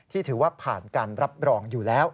ถือว่าผ่านการรับรองอยู่แล้ว